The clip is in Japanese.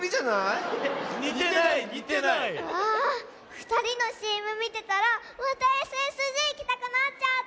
ふたりのＣＭみてたらまたＳＳＪいきたくなっちゃった。